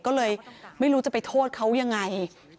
ก็เลยไม่รู้จะไปโทษเขายังไง